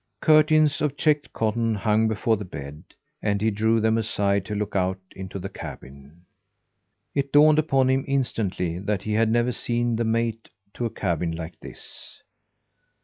Curtains of checked cotton hung before the bed, and he drew them aside to look out into the cabin. It dawned upon him instantly that he had never seen the mate to a cabin like this.